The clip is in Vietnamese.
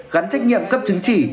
gắn trách nhiệm cấp chứng chỉ